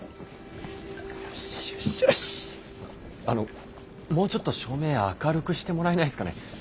あのもうちょっと照明明るくしてもらえないですかね？